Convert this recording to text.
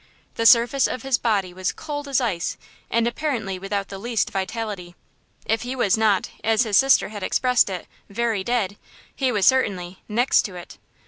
The surface of his body was cold as ice, and apparently without the least vitality. If he was not, as his sister had expressed it, "very dead," he was certainly "next to it."